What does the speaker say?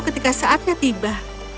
ketika saatnya tiba